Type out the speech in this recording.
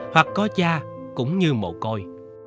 hoặc có cha cũng như mồ côi